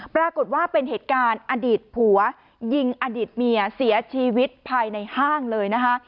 ปรากฏว่าเป็นเหตุการณ์อดีตผัวยิงอดีตเมียเสียชีวิตภายในห้างเลยนะคะ